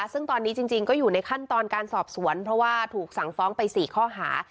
ซึ่งตอนนี้จริงก็อยู่ในขั้นตอนการสอบสวนเพราะว่าถูกสั่งฟ้องไป๔ข้อหา